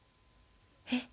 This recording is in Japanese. え？